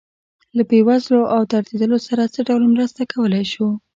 له بې وزلو او دردېدلو سره څه ډول مرسته کولی شو.